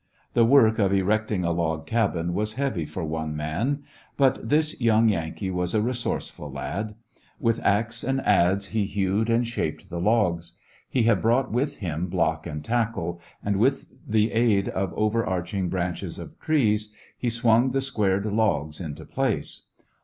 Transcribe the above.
The work of erecting a log cabin was heavy for one man, but this young Yankee was a resoureef ul lad. With ax and adz he hewed and shaped the logs. He had brought with him block and tackle, and with the aid of over arching branches of trees he swung A Christmas When the squared logs into place.